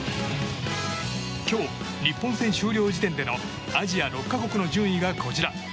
今日日本戦終了時点でのアジア６か国の順位がこちら。